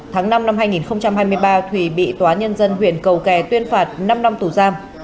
tháng năm năm hai nghìn hai mươi ba thùy bị tòa nhân dân huyện cầu kè tuyên phạt năm năm tù giam